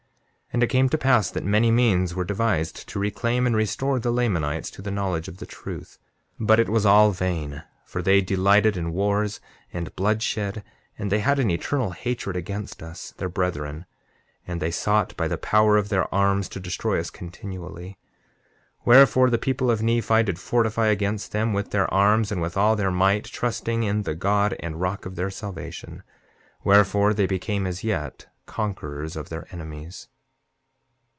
7:24 And it came to pass that many means were devised to reclaim and restore the Lamanites to the knowledge of the truth; but it all was vain, for they delighted in wars and bloodshed, and they had an eternal hatred against us, their brethren. And they sought by the power of their arms to destroy us continually. 7:25 Wherefore, the people of Nephi did fortify against them with their arms, and with all their might, trusting in the God and rock of their salvation; wherefore, they became as yet, conquerors of their enemies.